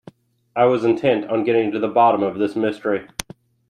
I was intent on getting to the bottom of this mystery.